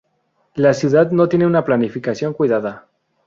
La ciudad no tiene una planificación cuidada.